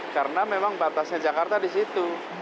karena memang batasnya jakarta di situ